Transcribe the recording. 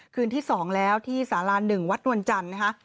คืนที่๒แล้วที่สารา๑วัดนวลจันทร์นะคะ